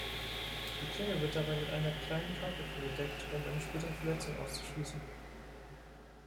Die Klinge wird dabei mit einer kleinen Kappe bedeckt, um eine spätere Verletzung auszuschließen.